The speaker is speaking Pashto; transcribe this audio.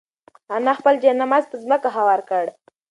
انا خپل جاینماز په ځمکه هوار کړ.